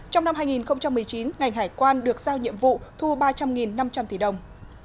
trong năm hai nghìn một mươi chín ngành hải quan được giao nhiệm vụ thu ba trăm linh năm trăm linh tỷ đồng